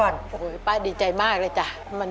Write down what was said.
เงินเงินเงินเงิน